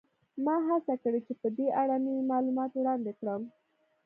ما هڅه کړې چې په دې اړه نوي معلومات وړاندې کړم